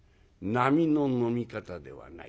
「並の飲み方ではない。